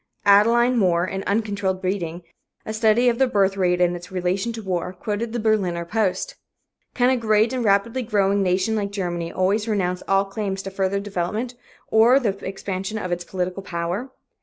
Adelyne More, in "Uncontrolled Breeding," a study of the birth rate in its relation to war, quoted the Berliner Post: "Can a great and rapidly growing nation like Germany always renounce all claims to further development or to the expansion of its political power?